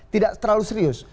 tidak terlalu serius